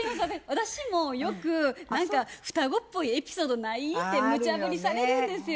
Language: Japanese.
私もよく「何か双子っぽいエピソードない？」ってむちゃぶりされるんですよ。